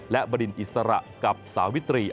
และบรินอิสระกับสาวิตรี